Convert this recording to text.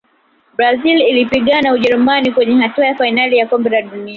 brazil ilipigana na jerumani kwenye hatua ya fainali ya kombe la dunia